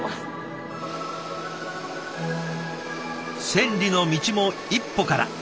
千里の道も一歩から。